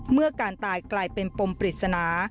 เมื่อการตายกลายเป็นปมปริศนา